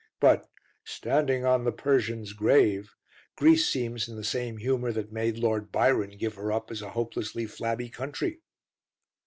But "standing on the Persians' grave" Greece seems in the same humour that made Lord Byron give her up as a hopelessly flabby country.